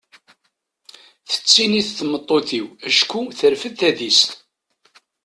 Tettinnit tmeṭṭut-iw acku terfed tadist.